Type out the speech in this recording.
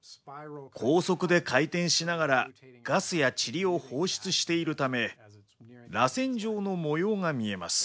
高速で回転しながらガスやちりを放出しているためらせん状の模様が見えます。